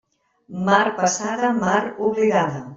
Mar passada, mar oblidada.